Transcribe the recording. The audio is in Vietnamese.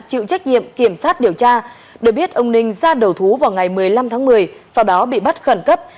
chịu trách nhiệm kiểm sát điều tra được biết ông ninh ra đầu thú vào ngày một mươi năm tháng một mươi sau đó bị bắt khẩn cấp